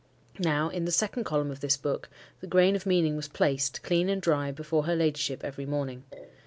Now, in the second column of this book, the grain of meaning was placed, clean and dry, before her ladyship every morning.